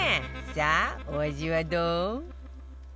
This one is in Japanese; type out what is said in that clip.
さあお味はどう？